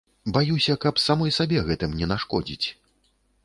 Баюся, каб самой сабе гэтым не нашкодзіць.